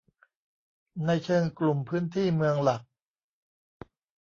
ในเชิงกลุ่มพื้นที่เมืองหลัก